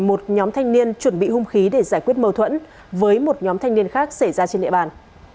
một nhóm thanh niên chuẩn bị hung khí để giải quyết mâu thuẫn với một nhóm thanh niên khác xảy ra trên địa bàn